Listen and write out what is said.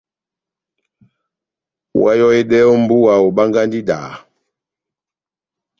Oháyohedɛhɛ ó mbúwa, obángahi idaha.